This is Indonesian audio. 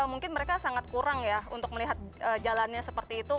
mungkin mereka sangat kurang ya untuk melihat jalannya seperti itu